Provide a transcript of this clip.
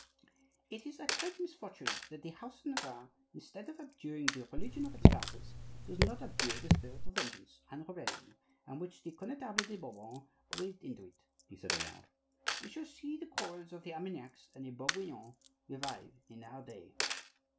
"It is a great misfortune that the house of Navarre, instead of abjuring the religion of its fathers, does not abjure the spirit of vengeance and rebellion which the Connetable de Bourbon breathed into it," he said aloud. "We shall see the quarrels of the Armagnacs and the Bourguignons revive in our day."